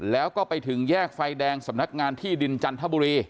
แล้วก็ไปถึงแยกไฟแดงสำนักงานที่ดินจันทบุรี